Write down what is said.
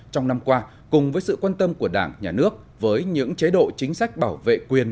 trong năm qua cùng với sự quan tâm của đảng nhà nước với những chế độ chính sách bảo vệ quyền